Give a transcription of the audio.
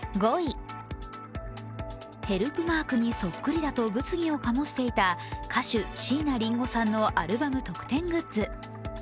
ヘルプマークにそっくりだと物議を醸していた歌手・椎名林檎さんのアルバム特典グッズ。